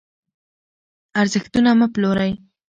ارزښتونه مه پلورئ.